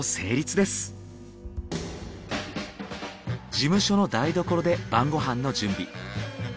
事務所の台所で晩ご飯の準備。